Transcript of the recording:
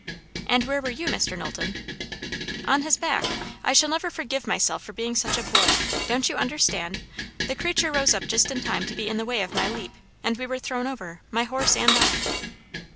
"And where were you, Mr. Knowlton?" "On his back. I shall never forgive myself for being such a boy. Don't you understand? The creature rose up just in time to be in the way of my leap, and we were thrown over my horse and I."